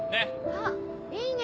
あっいいね！